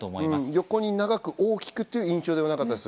横に長く大きくという印象ではなかった。